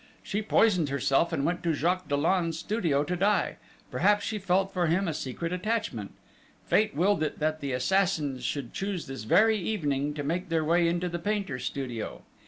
She poisoned herself, and went to Jacques Dollon's studio to die: perhaps she felt for him a secret attachment! Fate willed it that the assassins should choose this very evening to make their way into the painter's studio